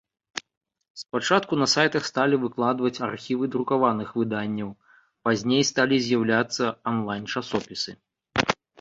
Спачатку на сайтах сталі выкладваць архівы друкаваных выданняў, пазней сталі з'яўляцца анлайн-часопісы.